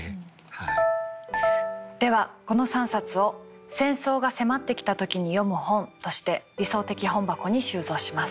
ではこの３冊を「戦争が迫ってきた時に読む本」として理想的本箱に収蔵します。